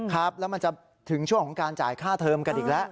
ครับแล้วมันจะถึงช่วงของการจ่ายค่าเทอมกันอีกแล้ว